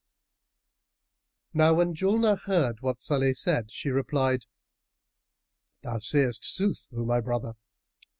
Now when Julnar heard what Salih said, she replied, "Thou sayest sooth, O my brother!